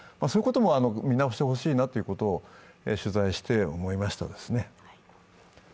そういうことも見直してほしいなということを取材して思いましたね。